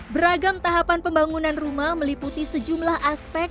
beragam tahapan pembangunan rumah meliputi sejumlah aspek